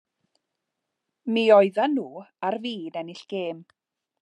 Mi oeddan nhw ar fin ennill gêm.